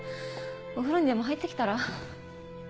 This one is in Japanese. お風呂にでも入って来たら？